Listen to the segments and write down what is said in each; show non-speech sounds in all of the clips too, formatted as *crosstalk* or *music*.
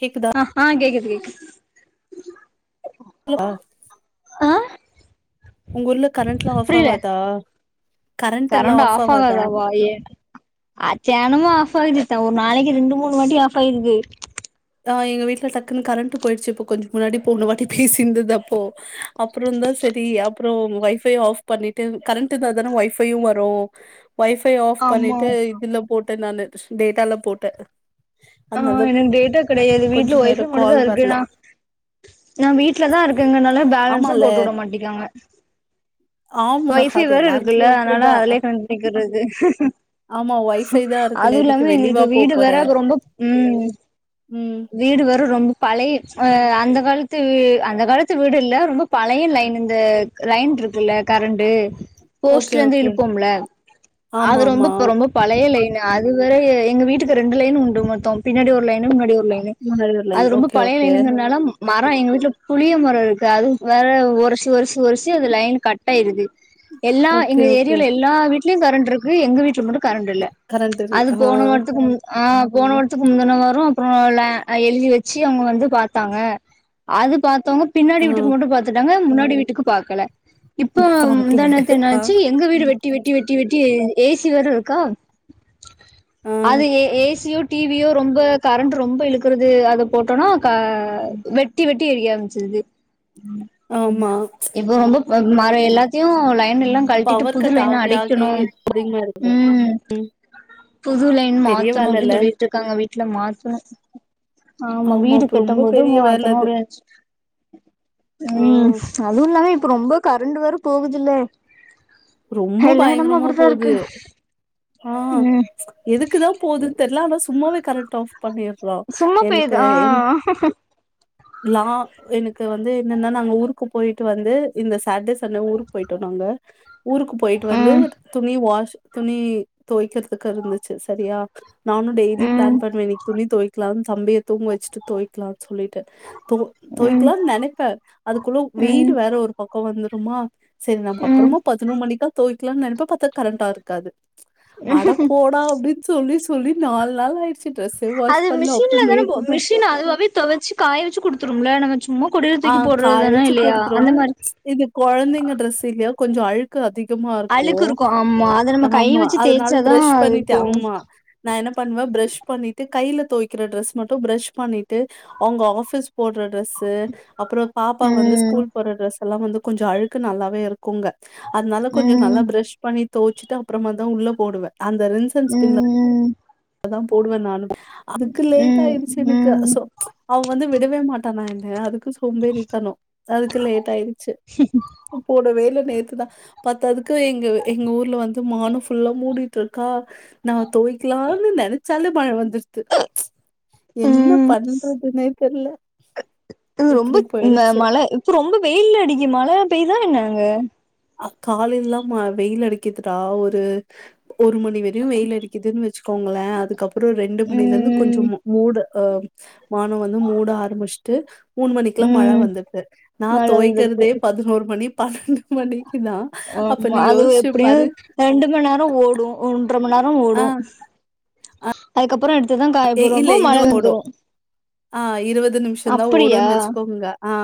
கேக்குதா ஆஹா கேக்குது கேக்கு ஆ ஆ உங்க ஊர்ல கரண்ட்லா ஆஃப் புரியல ஆவாதா கரண்ட் ஆஃப் ஆகாதா வா ஏ அத்தியானமோ ஆப் ஆது தா ஒரு நாளைக்கு ரெண்டு மூணு வாட்டி ஆப் ஆய்ருது ஆ எங்க வீட்ல டக்குன்னு கரண்ட்டு போய்டுச்சு இப்போ கொஞ்சோ முன்னாடி போண வாட்டி பேசிந்தது அப்போ அப்புறோ தா சரி அப்புறோ வொய்ஃபை ஆஃப் பண்ணிட்டு கரண்ட்டு இருந்தா தான ஒய்ஃபையு வரு ஒய்ஃபை ஆஃப் ஆமா பண்ணிட்டு இதுல போட்டே நானு டேட்டால போட்ட ஆ எனக்கு டேட்டா கெடையாது வீட்டுல கொஞ்ச நேரோ ஒய்ஃபை மட்டு கால் தா இருக்கு வரல நா நா வீட்ல தா இருக்கங்கனால பேலன்ஸு ஆமால போட்டு விட மாட்டிக்காங்க ஆமா ஒய்ஃபை அது வேற எல்லார் இருக்குல்ல வீட்லயு அதனால அப்டிதா அதுலயே கணெக்ட் பன்னிக்கிறது ஆமா ஒய்ஃபை தா இருக்குல்ல அதுவு எதுக்கு இல்லாம வெளிவா எங்ளுக்கு போ வீடு போற வேற ரொம்ப ம் ம் வீடு வேற ரொம்ப பழைய அ அந்த காலத்து அந்த காலத்து வீடு இல் ரொம்ப பழைய லைன் இந்த லைன் இருக்குல்ல கரண்ட்டு ஓகே போஸ்ட்ல இருந்து ஓகே இழுப்போம்ல ஆமா அது ஆமா ரொம்ப ரொம்ப பழைய லைன் அது வேற எங்க வீட்டுக்கு ரெண்டு லைன் உண்டு மொத்தம் பின்னாடி ஒரு லைனு முன்னாடி ஒரு லைன் முன்னாடி ஒரு அது லைன் ரொம்ப ஓகே பழைய ஓகே லெய்ணுங்கரனால மரம் எங்க வீட்டுல புளிய மரம் இருக்கு அது வேற ஒரிசு ஒர்சு ஒரிசு அது லைன் கட் ஆயிருக் ம் எல்லா எங்க ஏரியாவில எல்லா வீட்லயும் கரண்ட் இருக்கு எங்க வீட்ல மட்டு கரண்ட் இல்ல ஓகே கரண்ட் இரு அது ஆ போன வார்த்துக்கு மு ஆ போன வார்த்துக் முந்தின வரோ அப்புறோ எழுதி வச்சு அவங்க வந்து பாத்தாங்க அது பாத்வங்க ஆ பின்னாடி வீட்டுக்கு மட்டு பாத்துட்டாங்க முன்னாடி வீட்டுக்கு பாக்கல இப்ப பாக்கல முந்நாணேத்து ஆ என்னாச்சு எங்க வீடு வெட்டி வெட்டி வெட்டி வெட்டி ஏசி வேரு இருக்கா ஆ அது A A C U T V யோ ரொம்ப கரண்ட் ரொம்ப இழுக்குறது அத போட்டோம்னா வெட்டி வெட்டி எரிய ஆம்பிச்சது ம் ஆமா இப்ப ரொம்ப ம எல்லாத்தையு லைன் எல்லா கழட்டிட்டு பவர் கட் புதுல என்ன ஆகி ஆகி அடைக்கணு அதிகமா இருக்கு உம் புதுலைன்னு பெரிய மாத்தணு வேல அப்டின்னு இல்ல சொல்லிட்டு இருக்காங்க வீட்ல மாத்தணு ஆமா வீடு இப்ப கட்டும் ரொம்ப போது பெரிய வேல அது *unintelligible* ஆ ம் அதுவு இல்லாமே இப்ப ரொம்ப கரண்ட் வேற போகுதுல்ல ரொம்ப எல்லா இடமும் பயங்கரமா அப்படித்தான் போது இருக்கு ஆ ம் எதுக்குதா போதுன்னு தெர்ல ஆனா சும்மாவே கரெண்ட் ஆஃப் பண்ணிர்ரா சும்மா பெய்யுது எனக்கு ஆ என் லா எனக்கு வந்து என்னன்னா நாங்க ஊருக்கு போயிட்டு வந்து இந்த சேட்ர்டே சண்டே ஊருக்கு போயிட்டோ நாங்க ஊருக்கு போயிட்டு வந்து ம் துணி வாஷ் துணி துவைக்கறதுக்கு இருந்துச்சு சரியா நானு டெய்லி ம் பிளான் பண்ணுவ இன்னைக்கு துணி துவைக்கலானு தம்பிய தூங்க வச்சுட்டு துவைக்கலானு சொல்லிட்டு தூ ம் தோவ்க்கலானு நெனைப்பே அதுக்குள்ள வெயில் ம் வேற ஒரு பக்கோ வந்துருமா செரி நம்ம ம் அப்புறமா பதினோ மணிக்கா தோய்கலானு நெனைப்ப பார்த்தா கரண்டா இருக்காது அட போடா அப்டின்னு சொல்லி சொல்லி நாலு நாள் ஆயிடுச்சு ட்ரெஸ்ஸே வாஷ் பண்ல அப்புற நேத்துதா மிஸின் அதுவாவே துவச்சு காய வச்சு குடுத்துரும்ல நம்ம சும்மா ஆ கொடிலத்தூக்கி போடுறது காய தானே வச்சு இல்லையா குடுத்துருவோ அந்த மாரி இது கொழந்தைங்க டிரெஸ் இல்லையா கொஞ்சம் அழு க்கு அதிகமா இருக்கு அழுக்கு ஆமா அத நம்ம கை ஆமா வச்சு அதனால தேய்ச்சாதா ப்ரஷ் அது பண்ணிட்டே போகு ஆமா நா என்ன பண்ணுவே ப்ரஷ் பண்ணிட்டு கைல துவைக்கிற ப்ரெஸ் மட்டு ப்ரஷ் பண்ணிட்டு அவுங்க ஆபிஸ் போடுற ட்ரெஸ்ஸு அப்புறோ பாப்பா வந்து ம் ஸ்கூல் போடுற ட்ரெஸ் எல்லா வந்து கொஞ்ச அழுக்கு நல்லாவே இருக்குங்க அதனால கொஞ்ச ம் நல்லா ப்ரேஷ் பண்ணி தோவ்ச்சுட்டு அப்புறமா தா உள்ள போடுவே அந்த ரின்ஸ் அன் ஸ்பின்ல ம் அதா போடுவே நானு அதுக்கு லேட் ம் ஆயிடுச்சு எனக்கு ம் அவங் வந்து விடவே மாட்டாங்க என்ன அதுக்கு சோம்பேறித்தனோ அதுக்கு லேட் ஆயிருச்சு போடவே இல்ல நேத்துதா பத்தாதுக்கு எங்க எங்க ஊர்ல வந்து வானம் ஃபுல்லா மூடிட்டு இருக்கா நா துவய்க்கலானு நெனைச்சாலே மழை வந்துடுது என்ன ம் பண்றதுன்னே தெர்ல து இப்டி ரொம்ப போயிடுச்சு மழை இப்ப ரொம்ப வெயில் அடிக்கு மழைல பேய் தா என்ன அங்க காலைல்லா ம வெயில் அடிக்குதுடா ஒரு ஒருமணி ணி வரையு வெயில் அடிக்குதுன்னு வச்சுக்கோங்களே அதுக்கப்புறோ ரெண்டு மணில இருந்து கொஞ்சோ ம் மோ மூடு அ மானோ வந்து மூட ஆரம்பிச் ட்டு மூணு மணிக்லா மழ ம் வந்துர்து நா மழை வந்துருக்கு தொவைக்கிறதே பதினோரு மணி பணண்டு மணி இன்னா ஆமா அது எப்டியு ரெண்டு மண் நேரோ ஓடு ஒன்ற மண் நேரோ ஆ ஓடு அதுக்கப்புறோ எடுத்து தா காய இல்ல போட்றப்போ மழ இது வந்து ஓடும் வந்துரு ஆ இருவது நிம்ஷோ தா அப்படியா ஓடுன் வச்சிக்கோங்க ஆ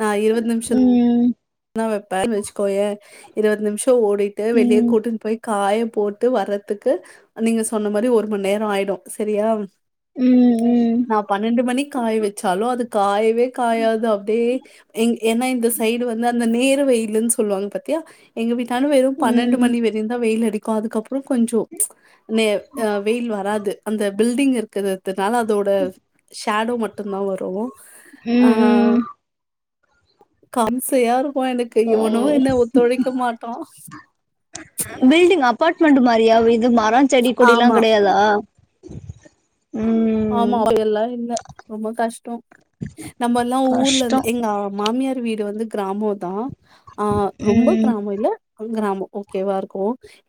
நா இருவது நிம்ஷ் ம் தா வெப்பே வச்சுக்கோயே இருவத் நிம்ஷோ ஓடிட்டு வெளிய ம் கூட்டுன் போய் காய போட்டு வர்றதுக்கு நீங்க சொன்ன மாரி ஒரு மண் நேரோ ஆய்டு செரியா ம் ம் நா பணண்டு மணிக் காய வெச்சாலு அது காயவே காயாது அப்டியே எங் ஏனா இந்த சைடு வந்து அந்த நேர வெயில்லுன் சொல்வாங்க பாத்தியா எங்க வீட்டான வெறு பணண்டு ம் மணி வெரியு தா வெயில் அடிக் கு அதுக்கப்றோ கொஞ்சோ நே அ வெயில் வராது அந்த பில்டிங் இருக்குது அதுனால அதோட ஷேடோ மட்டு தா வரு ம் ம் கம்சையா இருக்கு எனக்கு இவனு என்ன ஒத்துழைக்க மாட்டா பில்டிங் அப்பாட்மெண்ட் மாரியா இது மரோ செடி கொடிலா ஆமா. கெடையாதா உஹ ஆமா அப்டி எல்லா இல்ல ரொம்ப கஷ்டோ நம்ம எல்லா ஊர்ல கஷ்டோ இருந்து எங்க மாமியார் வீடு வந்து கிராமோ தா ஆ ரொம்ப ம் கிராமோ இல்ல அது கிராமோ ஓகேவா இருக்கு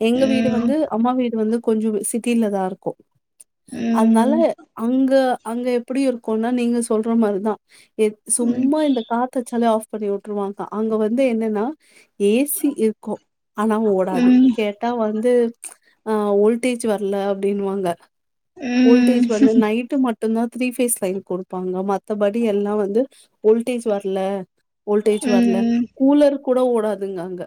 எங்க வீடு ம் வந்து அம்மா வீடு வந்து கொஞ்சோ சிட்டில தா இருக்கு அதனால ம் அங்க அங்க எப்டி இருக்குனா நீங்க சொல்ற மார் தா சும்மா இந்த காத்தடிச்சாலே ஆஃப் பண்ணி வுட்டுரு வாங்கா அங்க வந்து என்னன்னா ஏஸ் சி இருக்கு ஆனா ஓடாது ம் கேட் டா வந்து அ ஓல்டேஜ் வர்ல அப்டின்னு வாங்க ம் ஓல்டேஜ் நைட்டு மட்டு தா திரீ ஃபேஸ் லைன் கொடு பாங்க மத்த படி எல்லா வந்து வோல்டேஜ் வர்ல வோல்டேஜ் வர்ல ம் கூலர் கூட ஓடாதுங்க அங்க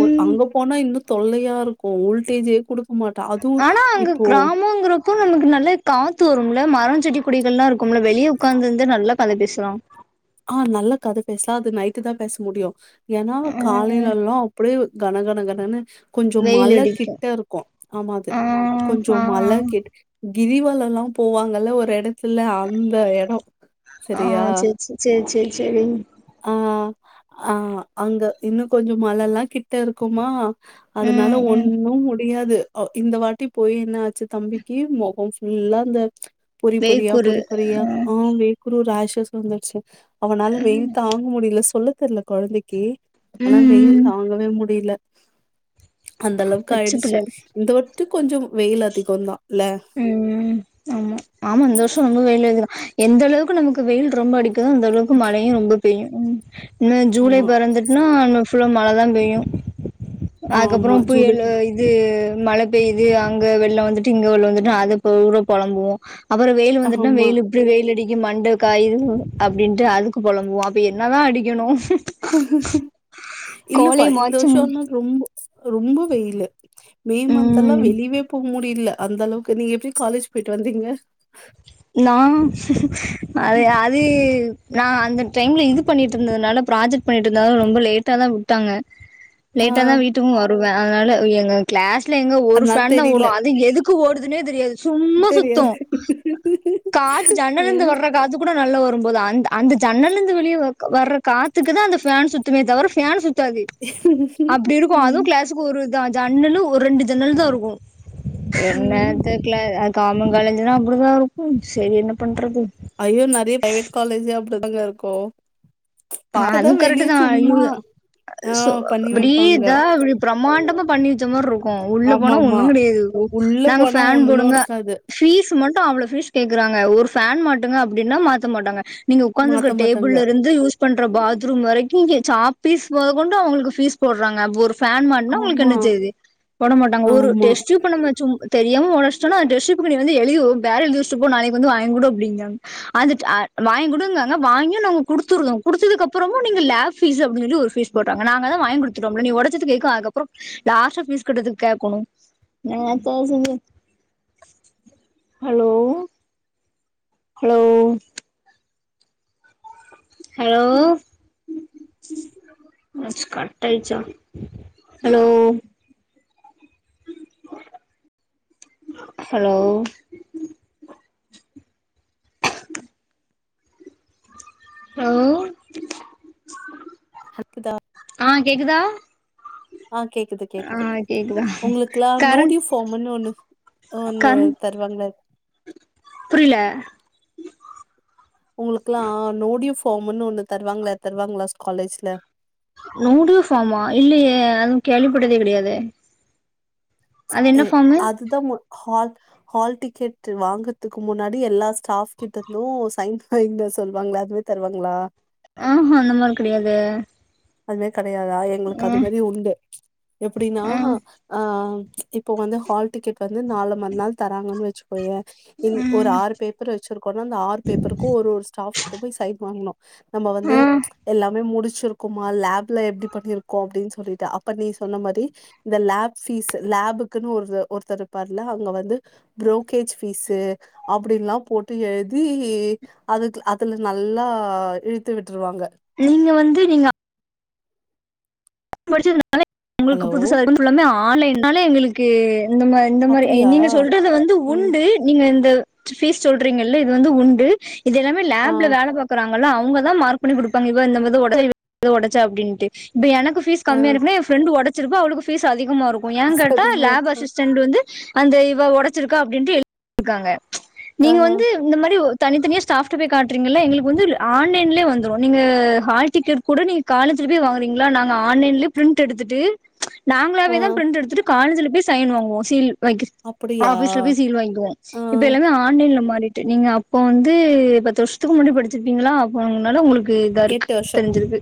ஒ ம் அங்க போனா இன்னு தொல்லையா இருக்கு வோல்டேஜே குடுக் க மாட்டா அது ஆனா அங்க கிராமோங்கற கு நம்மள்க்கு நல்ல காத்து வரும்ல மரோ செடி கொடிகள்லா இருக்கும்ல வெளிய உக்காந்திந்தே நல்லா கத பேசலா ஆ நல்லா கத பேஸ்லா அது நைட்டு தா பேச முடியு ஏனா ஆ காலையில எல்லா அப்டியே கன கன கனனு கொஞ்சோ வெயில் மழ அடிக்கு கிட்ட இருக்கு ஆமா அது ஆ கொஞ்சோ ஆ மழ கிட் கிரிவலல்லா போவாங்கல்ல ஒரு எடத்துல அந்த எடோ செரியா செரி செரி செரி ஆ ஆ அங்க இன்னு கொஞ்சோ மழல்லா கிட்ட இருக்குமா அதுனால ம் ம் ஒண்ணு முடியாது அ இந்த வாட்டி போய் என்ன ஆச்சி தம்பிக்கு மொகோ ஃபுல்லா அந்த பொரி பொரியா வேர்க்குரு பொரி பொரியா ஆ வேக்குரு ராஷஷ் வந்துர்சி அவனால வெயில் தாங்க முடியில சொல்ல தெர்ல கொழந்தைக்கு ஆனா ம் வெயில் ம் தாங்க வே முடியுல அந்த அளவுக்கு பச்ச ஆயிடுச்சு பிள்ளைல இந்த வட்டு கொஞ்சோ வெயில் அதிகோ தா இல்ல ம் ம் ஆமா ஆமா இந்த வர்ஷோ ரொம்போ வெயில் அதிகோ எந்த அளவுக்கு நமக்கு வெயில் ரொம்ப அடிக்குதோ அந்த அளவுக்கு மழையு ரொம்ப பெய்யு இன்னோ ஜூலை ஆமா, பெறந்துட்னா இன்னு ஃபுல்லா மழதா பெய்யு அதுக்கப்புறோ ஆமா. ஜூலை புயலு ப- இ து மழ பெய்து அங்க வெள்ளோ வந்துட்டு இங்க வெள்ளோ வந்துட்டு அத பூறா பொளம்புவோ அப்புறோ வெயிலு வந்துட்ன்னா ஆமா. வெயிலு இப்டி வெயில் அடிக்கு மண்ட காயுது அப்டீன்ட்டு அதுக்கு பொளம்புவோ அப்ப என்னதா அடிக்கணோ இல்லப்பா இந்த வர்ஷோ மாச்சும் ஆனா ரொம்ப ரொம்ப வெயிலு மே மந்த்தெல்லா ம் வெளியவே போ முடியுல அந்த அளவுக்கு நீங்க எப்டி காலேஜ் போயிட்டு வந்தீங்க நா அது அது நா அந்த டைம்ல இது பண்ணிட்டு இருந்ததுனால ப்ராஜெக்ட் பண்ணிட்டு இருந்தால ரொம்ப லேட்டா தா விட்டாங்க *inaudible* லேட்டா தா வீட்டுக்கும் வருவே அதனால எங்க கிளாஸ்ல எங்க ஒரு அதனால ஃபேன் தா தெரியல. ஓடோ அது எதுக் கு ஓடுதுனே தெரியாது சும்மா சுத்தோ தெரியாது. காத்து ஜன்னல இர்ந்து ம். வர் ற காத்து கூட நல்லா வரும்போது அந்த அந்த ஜன்னல இர்ந்து வெளியே வர்ற காத்துக்கு தா அந்த ஃபேன் சுத் துமே தவர ஃபேன் சுத்தாது அப்டி இருக்கோ அதுவு ம். கிளாஸ் பேச்சுக்கு ஒரு ஜ ஜன்னலு ஒரு ரெண்டு ஜன்னல் தா இருக்கோ ம். என்னத்த க்ள அது கவர்மெண்ட் காலேஜ்னா அப்டிதா இருக்கும் செரி என்ன பண்றது ஐயோ நறைய பிரைவேட் காலேஜே அப்டிதாங்க இருக்கோ ஆ அதுவு கரக்டு தா அ யு ஆ சோ பண்ணி அப்டீ வைப்பாங்க. இதா ஒரு பிரமாண்டமா பண்ணி வெச்ச மாரி இருக் கோ உள்ள போனா ஆமாமா. ஒன்னு கெடையாது உள்ள நாங்க போனா ஃபேன் ஒண்ணும் போடுங்க இருக்காது. ஃபீஸ் மட்டோ அவ்ளோ ஃபீஸ் கேக்குறாங்க ஒரு ஃபேன் மாட்டுங்க அப்டீன்னா மாத்த மாட்டாங்க நீங்க ஒக்காந்துருக்க மாத்த டேபிள் மாட்டாங்க. இருந்து யூஸ் பண்ற பாத்ரூம் வரைக்கு சாப்பீஸ் மொத கொண்டு அவுங்குளுக்கு ஃபீஸ் போடுறாங்க அப்ப ஒரு ஃபேன் மாட்னா உங்குளுக்கு ஆமா, என்ன செய்யுது போட மாட்டாங்க ஒரு ஆமா. டேஸ்டு பண்ணா சும் தெரியாம ஒடோச்டோனா அந்த டெஸ்ட் டியூப்கு நீ வந்து எழுதி வேற எழுதிவெச்சுட்டு போ நாளைக்கு வந்து வாங்கிகுடு அப்டீங்காங்க அந்த ட அ வாங்கிடுங்காங்க வாங்கியு நாங்க குடுத்துரு குடுத்துதுக்கப்றோமோ நீங்க லேப் ஃபீஸ் அப்டீனு சொல்லி ஒரு ஃபீஸ் போட்றாங்க நாங்கதா வாங்கி குடுத்துட்டோம்ல நீ ஒடச்சது எதுக்கப்பறோ லாஸ்டா ஃபீஸ் கட்டறதுக்கு கேக்கணோ இன்னாத்த சொல்றது ஹலோ ஹலோ ஹலோ என்னாச்சி கட்டாச்சா ஹலோ அ ஹலோ *inaudible* ஹலோ ஹக்குதா ஆ கேக்குதா ஆ கேக்குது ஆ கேக்குது கேக்குதா உங்களுக்குலா நோ கரண்ட் டியூ ஃபாமுனு ஒண்ணு ஒண்ணு தருவாங்களா புரியுல உங்களுக்குலா நோ டி யூ ஃபார்முனு ஒண்ணு தருவாங்களா தருவாங்களா காலேஜ்ல யய்யய்ய அது கேள்வி பட்டதே கெடயாதே ஒ அதுதா போ ஹால் ஹால் டிக்கெட் வாங்கறத்துக்கு முன்னாடி எல்லா ஸ்டாஃப் கிட்ட இருந்து சைன் போட்னு சொல்வாங்க அது தருவாங்களா ஆ ஹ அந்த மாரி கடையாதே அதுமேர் கடையாதா எங்களுக்கு அது மாரி உண்டு எப்டினா ம், ஆ இப்போ வந்து ஹால் டிக்கெட் வந்து நாள மறு நாள் தராங்கன் வச்சு ய இந் ஒரு ம், ஆறு பேப்பர் வச்சிருக்கோனா அந்த ஆறு பேப்பருக்கு ஒரு ஒரு ஸ்டாஃப் கிட்ட போய் சைன் வாங்கனு நம்ப வந்து ம். எல்லாமே முடிச்சிருக் குமா லேப்ல எப்டி பண்ணிருக்கோ அப்டின் சொல்லிட்டு அப்பர் நீ சொன்ன மாதிரி இந்த லேப் ஃபீஸ் லேப்புக்குன் ஒருத்த ஒருத்தர் பார்ல அங்க வந்து புரோக்கேஜ் ஃபீஸ்சு அப்டிலா போட்டு எழுதி அது அதுல நல்லா இழுத்து விட்டுருவாங்க நீங்க வந்து நீங்க படிச்சதுனால உங்களுக்கு ஹலோ புதுசா எதுவு சொன்னாலே ஆன்லைன்னாலே எங்களுக்கு இந்த மாரி இந்த மாரி அப்டியா நீங்க சொல்றது வந்து ம் உண்டு நீங்க இந்த ஃபீஸ் சொல்றீங்கல்ல இது வந்து உண்டு இது எல்லாமே ஆ லேப்ல வேல பாக்கறாங்க அத்லா அவங்கதா மார்க் பண்ணி குடுப்பாங்க இவ இந்த இத ஒடச்சா அப்டின்ட்டு இப்ப எனக்கு பீஸ் ஆ கம்மியா இருக்குனா எ ஃப்ரெண்ட் ஒடச்சிருப்ப அவளுக்கு ஃபீஸ் அதிகமா இருக்கு ஏங்கேட்டா சரிமா லேப் இருக்கு அசிஸ்டன்ட் வந்து அந்த இவ ஒடச்சிருக்கா அப்டின்ட்டு எழுதிருக்காங்க ஆ நீங்க வந்து இந்த மாரி ஒ தனித்தனியாக ஸ்டாஃப்ட போய் காட்றீங்கல எங்களுக்கு வந்து ஆன்லைன்லே வந்துரு நீங்க ஹால் டிக்கெட் கூட நீ காலஜ்ல போய் வாங்குறிங்களா நாங்க ஆன்லைன்ல ப்ரிண்ட் எடுத்துட்டு ஆ நாங்களாவேதா ப்ரிண்ட் எடுத்துட்டு காலேஜ்ல போய் சைன் வாங்குவோ சீல் வாங்கி அப்படியா ஆபிஸ்ல போய் சீல் வாங்கிக்குவோ ஆ இப்ப எல்லாமே ஆன்லைன்ல மாறிட்டு நீங்க அப்போ வந்து பத்து வருஷத்துக்கு முன்னாடி படிச்சிருப்பீங்களா அப்ப அன்னால உங்களுக்கு இதாருக்கு எட்டு வருஷோ தெரிஞ்சிருக்கு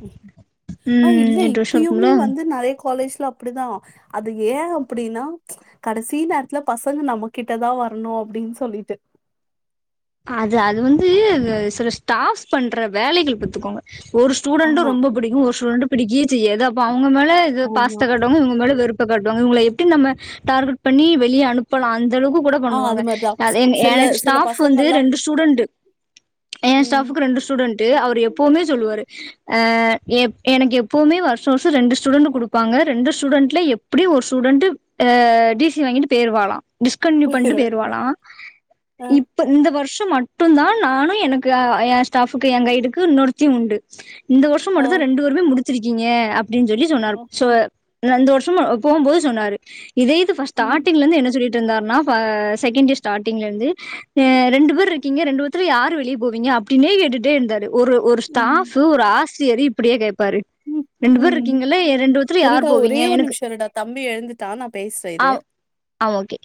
ஆ ம் இல்ல இப்பயுமே வந்து நெறைய காலேஜ்ல அப்டிதா அது ஏ அப்டினா கடைசீ நேரத்துல பசங்க நம்மகிட்டதா வரணு அப்டின் சொல்லிட்டு அது அது வந்து சில ஸ்டாப்ஸ் பண்ற வேலைகள் பத்துக்கோங்க ஒரு ஸ்டூடெண்டு ஆமா ரொம்ப பிடிக்கு ஒரு ஸ்டூடண்ட பிடிக்கே செய்யாது அப்ப அவங்க மேல ஆமா பாசத்த காட்டுவாங்க இவ்ங்க மேல வெறுப்ப காட்டுவாங்க இவங்கள எப்டி நம்ம டார்கெட் பண்ணி வெளிய அனுப் ப்பலா அந்த அளவுக்கு கூட ஆ அது பண்ணுவாங்க மாரிதா அது எ சில எனக்கு சில ஸ்டாஃப்ஸ் வந்து பசங்கல்லா ரெண்டு ஸ்டூடண்டு ஏ ம் ஸ்டாஃப்க்கு ரெண்டு ஸ்டூடண்ட் அவர் எப்பவுமே சொல்லுவாரு ஆ எப் எனக்கு எப்பவுமே வருஷ வருஷொ ரெண்டு ஸ்டூடெண்ட் குடுப்பாங்க ரெண்டு ஸ்டூடண்ட்ல எப் அப்டியே ஒரு ஸ்டூடெட் அ டி சி வாங்கிட்டு பேய்ர்வாளாம் டிஸ்கன்டியூ பண்ணிட்டு பேய்ர்வளா ம் ப்ப இந்த வருஷ மட்டுந்தா நானு எனக்கு ஏ ஸ்டாஃபுக்கு ஏ கைடுக்கு இன்னொருத்தியு உண்டு இந்த வருஷொ ஆ மட்டுந்தா ரெண்டு பேருமே முடிச்சிருக்கீங்க அப்டின் சொல்லி சொன்னாரு ஆ சோ ஆ இந்த வருஷமு போகும்போது சொன்னாரு இதே இது ம் ஸ்டாட்டிங்ல இருந்து என்ன சொல்லிட்டு இருந்தாருனா செகண்ட் இயர் ஸ்டாட்டிங்ல இருந்து ஆ ரெண்டு பேரு இருக்கீங்க ரெண்டு பேத்துல யார் வெளிய போவீங்க அப்டினே கேட்டுட்டே இருந்தாரு ஒரு ஒரு ம் ஸ்டாஃபு ஒரு ஆசிரியரு இப்டியா கேப்பாரு ம் ரெண்டு பேரு ம் இருக்கீங்கல ரெண்டு பேத்துல இருடா யார் ஒரே போவீங்க ஒரு எனக்கு.. நிமிஷோ இருடா தம்பி எழுந்துட்டா நா பேசுறே இரு ஆ ஆ ஓகே